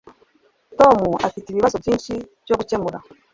Tom afite ibibazo byinshi byo gukemura.